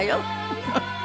フフフフ！